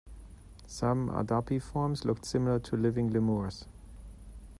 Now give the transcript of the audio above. Some adapiforms looked similar to living lemurs.